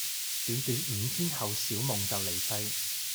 短短五天後小夢就離世